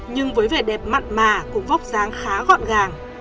nhưng với vẻ đẹp mặn mà cùng vóc dáng khá gọn gàng